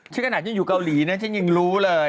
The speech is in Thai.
ขนาดยังอยู่เกาหลีนะฉันยังรู้เลย